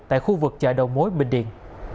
tại khu vực chợ đầu mối bình điền